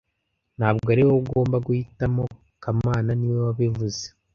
Ntabwo ari wowe ugomba guhitamo kamana niwe wabivuze